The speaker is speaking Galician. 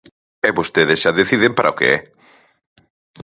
E vostedes xa deciden para o que é.